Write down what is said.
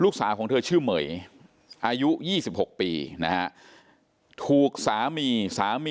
คือสิ่งที่เราติดตามคือสิ่งที่เราติดตาม